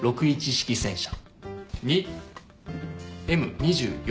６１式戦車。